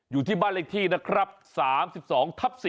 อยู่ที่บ้านเลขที่นะครับ๓๒ทับ๔